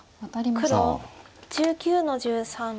黒１９の十三。